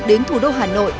đến thủ đô hà nội